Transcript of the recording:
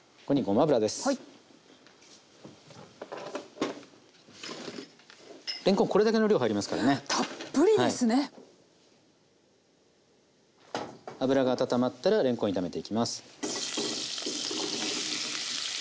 油が温まったられんこん炒めていきます。